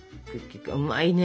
うまいね。